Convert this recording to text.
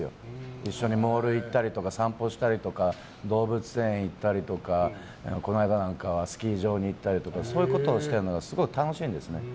一緒にモール行ったりとか散歩したりとか動物園行ったりとかこの間なんかはスキー場に行ったりとかそういうことをしているのがすごい楽しいんですね。